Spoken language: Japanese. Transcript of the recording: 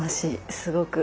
すごく。